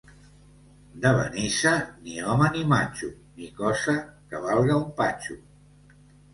De Benissa, ni home, ni matxo, ni cosa que valga un patxo.